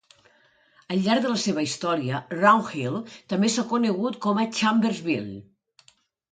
Al llarg de la seva història, Round Hill també s'ha conegut com a Chambersville.